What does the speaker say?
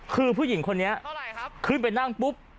คือผู้หญิงคนนี้ขึ้นไปนั่งปุ๊บ